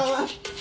あ？